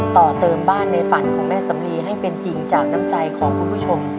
ต่อเติมบ้านในฝันของแม่สำลีให้เป็นจริงจากน้ำใจของคุณผู้ชม